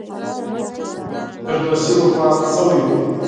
فردوسي وفات شوی و.